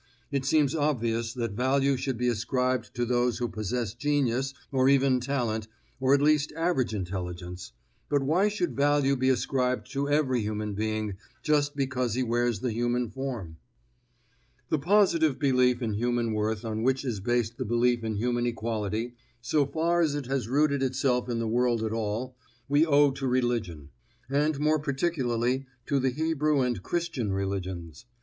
It seems obvious that value should be ascribed to those who possess genius or even talent, or at least average intelligence; but why should value be ascribed to every human being just because he wears the human form? The positive belief in human worth on which is based the belief in human equality, so far as it has rooted itself in the world at all, we owe to religion, and more particularly to the Hebrew and Christian religions.